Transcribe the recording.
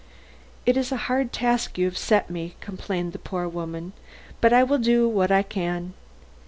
"It is a hard task you have set me," complained the poor woman; "but I will do what I can.